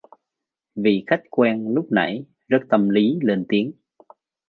Vị Khách quen lúc nãy rất tâm lý lên tiếng